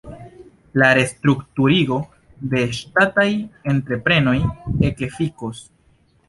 La restrukturigo de ŝtataj entreprenoj ekefikos.